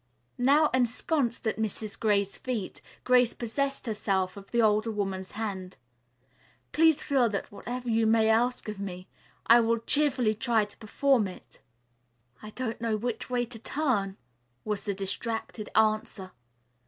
Now ensconced at Mrs. Gray's feet, Grace possessed herself of the older woman's hand. "Please feel that whatever you may ask of me, I will cheerfully try to perform it." "I don't know which way to turn," was the distracted answer.